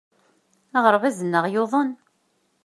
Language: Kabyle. Aɣerbaz-nneɣ yuḍen.